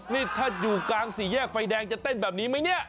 นี่ถ้าอยู่กลางสี่แยกไฟแดงจะเต้นแบบนี้ไหมเนี่ย